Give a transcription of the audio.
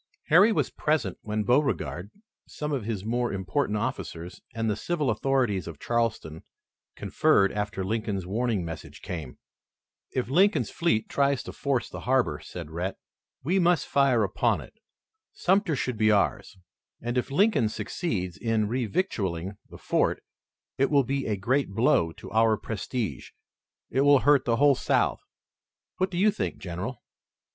Harry was present when Beauregard, some of his more important officers and the civil authorities of Charleston, conferred after Lincoln's warning message came. "If Lincoln's fleet tries to force the harbor," said Rhett, "we must fire upon it. Sumter should be ours, and if Lincoln succeeds in revictualling the fort it will be a great blow to our prestige. It will hurt the whole South. What do you think, General?"